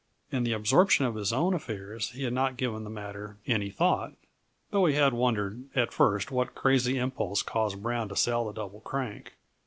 In the absorption of his own affairs he had not given the matter any thought, though he had wondered at first what crazy impulse caused Brown to sell the Double Crank.